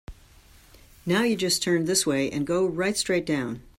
Now you just turn this way and go right straight down.